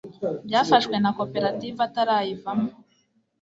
byafashwe na koperative atarayivamo